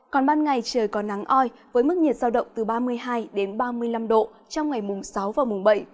còn ban ngày trời còn nắng oi với mức nhiệt sao động từ ba mươi hai ba mươi năm độ trong ngày mùng sáu và mùng bảy